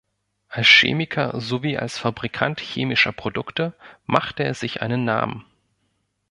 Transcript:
Als Chemiker sowie auch als Fabrikant chemischer Produkte machte er sich einen Namen.